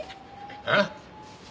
えっ？